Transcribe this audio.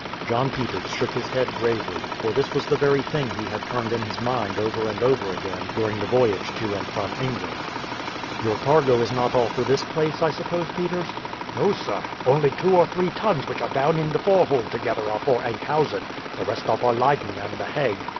John Peters shook his head gravely, for this was the very thing he had turned in his mind over and over again during the voyage to and from England. "Your cargo is not all for this place, I suppose, Peters?" "No, sir. Only two or three tons which are down in the forehold together are for Enkhuizen, the rest are for Leyden and the Hague.